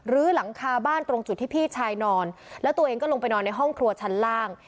ื้อหลังคาบ้านตรงจุดที่พี่ชายนอนแล้วตัวเองก็ลงไปนอนในห้องครัวชั้นล่าง